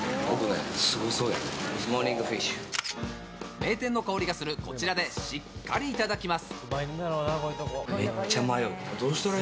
名店の香りがするこちらでしっかりいただきます。